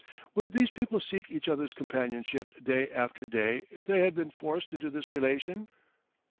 Would these people seek each other's companionship day after day if they had been forced into this relation?